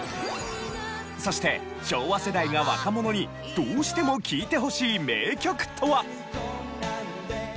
そして昭和世代が若者にどうしても聴いてほしい名曲とは？